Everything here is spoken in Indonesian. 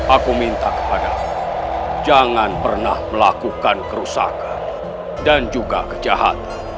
aku minta kepada jangan pernah melakukan kerusakan dan juga kejahatan